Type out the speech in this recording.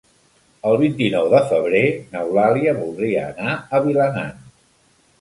El vint-i-nou de febrer n'Eulàlia voldria anar a Vilanant.